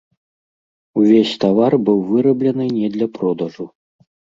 Увесь тавар быў выраблены не для продажу.